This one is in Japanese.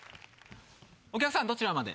お客さんどちらまで？